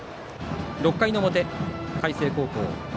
６回の表、海星高校。